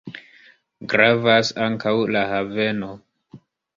Gravas ankaŭ la haveno.